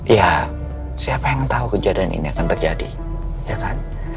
ya siapa yang tahu kejadian ini akan terjadi ya kan